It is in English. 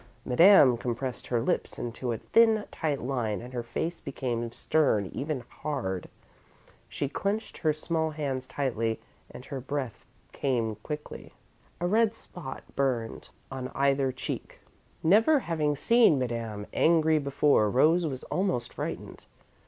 Madame compressed her lips into a thin, tight line, and her face became stern, even hard. She clenched her small hands tightly and her breath came quickly. A red spot burned on either cheek. Never having seen Madame angry before, Rose was almost frightened.